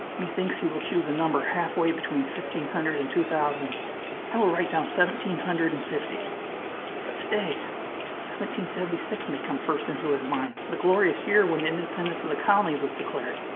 Methinks he will choose a number half way between fifteen hundred and two thousand. I will write down seventeen hundred and fifty. But, stay! Seventeen seventy six may come first into his mind, the glorious year when the independence of the colonies was declared.